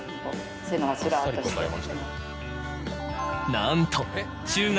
なんと。